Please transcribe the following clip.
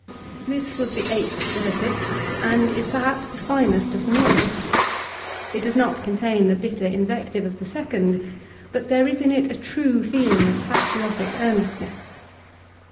This was the eighth Philippic and is perhaps the finest of them all. It does not contain the bitter invective of the second, but there is in it a true feeling of patriotic earnestness.